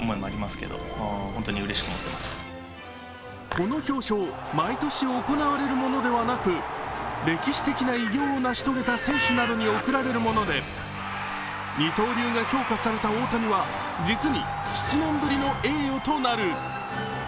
この表彰、毎年行われるものではなく歴史的な偉業を成し遂げた選手などに贈られるもので二刀流が評価された大谷は実に７年ぶりの栄誉となる。